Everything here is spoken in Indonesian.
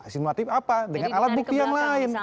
simulatif apa dengan alat bukti yang lain